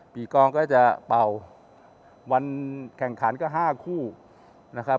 ปีกองก็จะเป่าวันแข่งขันก็๕คู่นะครับ